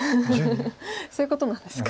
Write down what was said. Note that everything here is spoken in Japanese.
そういうことなんですか。